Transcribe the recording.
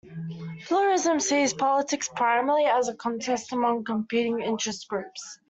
Pluralism sees politics primarily as a contest among competing interest groups.